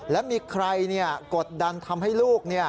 และมีใครกดดันทำให้ลูก